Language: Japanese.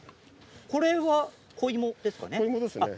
これは子芋ですか？